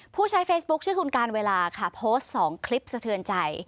ผู้ใช้เฟซบุ๊คชื่อคุณการเวลาค่ะโพสต์๒คลิปสะเทือนใจ